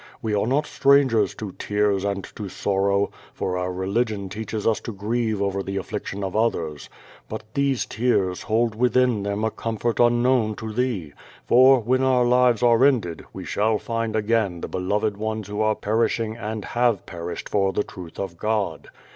We are not strangers to tears and to sorrow, for our religion teaches us to grieve over the afflic tions of others. But these tears hold within them a comfort unknown to thee, for, when our lives are ended, we shall find again the beloved ones who are perishing and have perished for the truth of God.